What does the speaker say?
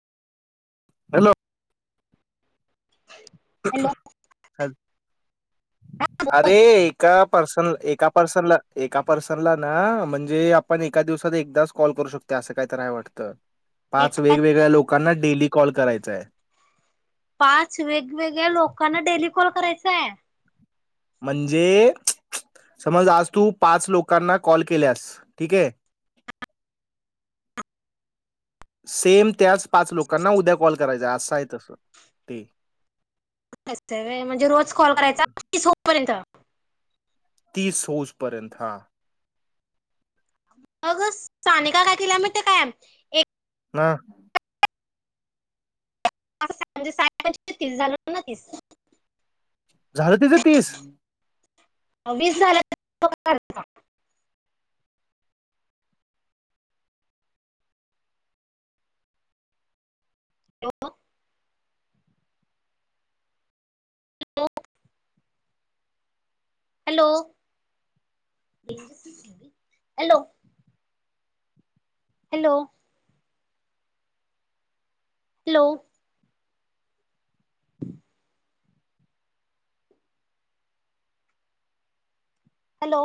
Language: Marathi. हॅलो हॅलो हॅलो अरे एका पर्सन एक एका पर्सनला एका पर्सन एका पर्सनला ना म्हणजे आपण एका दिवसात एकदाच कॉल करू शकतो असं काहीतरी आहे वाटतं पाच एका वेगवेगळ्या लोकांना डेली कॉल करायचाय पाच पाच वेगवेगळ्या लोकांना डेली कॉल कराय काय? म्हणजे समज आज तू पाच लोकांना कॉल केल्यास ठीके सेम त्याच पाच लोकांना उद्या कॉल करायचा असं आहे तस ते. अस असतंय व्हय म्हणजे रोज कॉल करायचा तीस हो पर्यंत. तीस होस पर्यंत हा. अग सानिका काकीला मी त कायम एक ह म्हणजे साठ म्हणजे तीस झालं न तीस झालं तिचं तीस? वीस झालं [unintelligible] हॅलो हॅलो हॅलो रेंजस नसल बाई हॅलो हॅलो हॅलो [inaudible] हॅलो